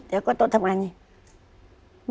แล้วก็โต๊ะทำงานอย่างนี้